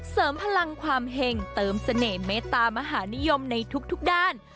เสริมพลังความเห็งเติมเสน่ห์เมตามหานิยมในทุกด้าน